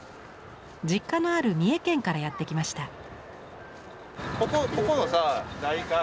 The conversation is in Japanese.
実家のある三重県からやって来ました。